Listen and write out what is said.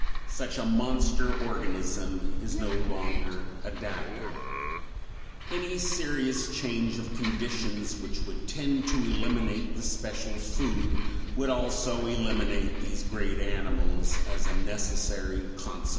Such a monster organism is no longer adaptable; any serious change of conditions which would tend to eliminate the special food would also eliminate these great animals as a necessary consequence.